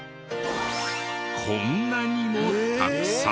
こんなにもたくさん！